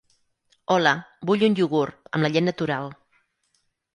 Hola, vull un iogurt, amb la llet natural.